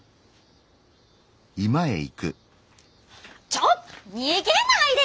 ちょ逃げないでよ！